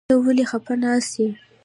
ته ولې خپه ناسته يې ؟